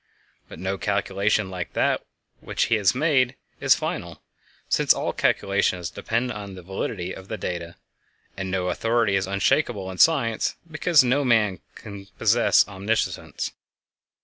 But no calculation like that which he made is final, since all calculations depend upon the validity of the data; and no authority is unshakable in science, because no man can possess omniscience.